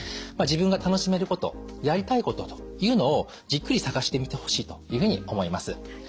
自分が楽しめることやりたいことというのをじっくり探してみてほしいというふうに思います。